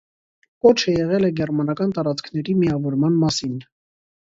Կոչը եղել է գերմանական տարածքների միավորման մասին։